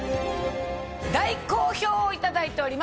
大好評をいただいております。